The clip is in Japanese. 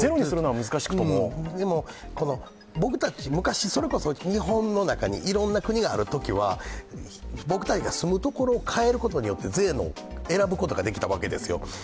でも、僕たち、昔それこそ日本の中にいろんな国があるときは僕たちが住むところを変えることによって税を変えることができたんですよ。